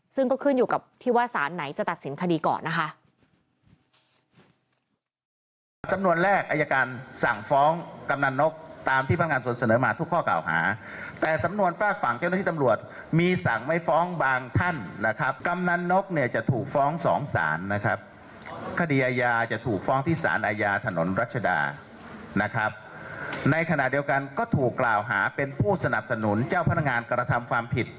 ซึ่งก็ขึ้นอยู่กับที่ว่าสารไหนจะตัดสินคดีก่อนนะคะ